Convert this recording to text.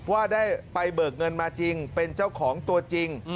ว่าได้ไปเบิกเงินมาจริงเป็นเจ้าของตัวจริง